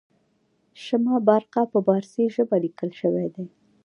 شمه بارقه په پارسي ژبه لیکل شوې ده.